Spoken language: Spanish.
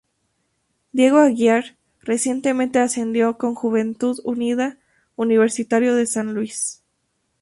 Diego Aguiar, recientemente ascendido con Juventud Unida Universitario de San Luis.